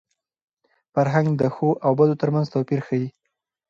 فرهنګ د ښو او بدو تر منځ توپیر ښيي.